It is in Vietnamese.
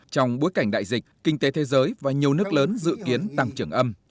trong bối cảnh đại dịch kinh tế thế giới và nhiều nước lớn dự kiến tăng trưởng âm